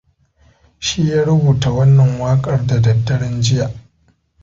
Shi ya rubuta wannan waƙar daddaren jiya.